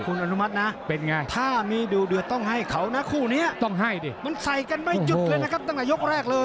คุณอนุมัติน่ะถ้ามีเดียวต้องให้เขานะคู่นี้มันใส่กันไม่หยุดเลยนะครับตั้งแต่ยกแรกเลย